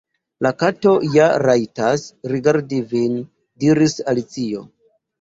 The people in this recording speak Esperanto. "La Kato ja rajtas_ rigardi vin," diris Alicio. "